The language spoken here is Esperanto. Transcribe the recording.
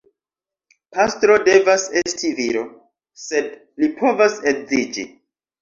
Pastro devas esti viro, sed li povas edziĝi.